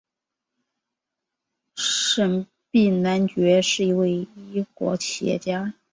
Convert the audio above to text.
沈弼男爵是一位英国企业家。